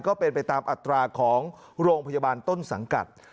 ก็เป็นไปตามอัตราของโรงพยาบาลต้นสังกัด